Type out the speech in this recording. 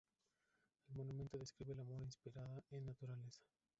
El monumento describe el amor inspirada en naturaleza.